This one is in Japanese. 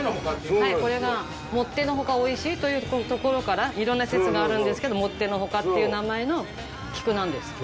はいこれが。というところからいろんな説があるんですけどもってのほかっていう名前の菊なんです。